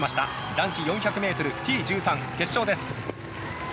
男子４００ｍＴ１３決勝です。